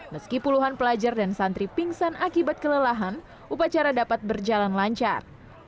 meski puluhan pelajar dan santri pingsan akibat kelelahan upacara dapat berjalan lancar